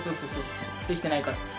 出来てないから。